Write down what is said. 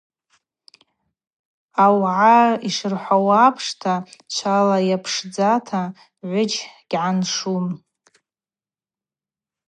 Аугӏа йшырхӏвауа апшта, чвала йапшдзата гӏвыджь гьгӏаншум.